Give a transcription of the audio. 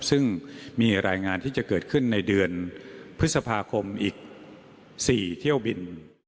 ซึ่งมีรายงานที่จะเกิดขึ้นในเดือนพฤษภาคมอีก๔เที่ยวบิน